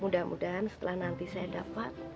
mudah mudahan setelah nanti saya dapat